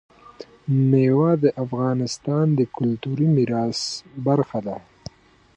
مېوې د افغانستان د کلتوري میراث برخه ده.